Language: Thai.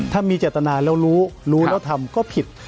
ถ้ามีเจตนาแล้วรู้รู้แล้วทำก็ผิด